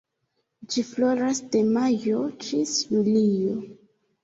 Ĝi floras de majo ĝis julio.